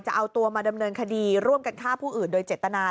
จะเอาตัวมาดำเนินคดีร่วมกันฆ่าผู้อื่นโดยเจตนา